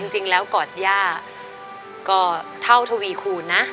จริงแล้วกอดย่าก็เท่าทวีคูณนะ